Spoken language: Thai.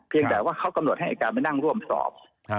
แต่ว่าเขากำหนดให้อายการไปนั่งร่วมสอบ